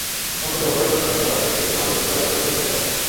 অথচ কয়েক দশক আগেও বাগদাদকে আরব সভ্যতার আদর্শ হিসেবে দেখা হতো।